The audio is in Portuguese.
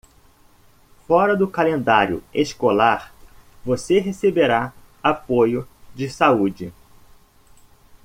Fora do calendário escolar, você receberá apoio de saúde.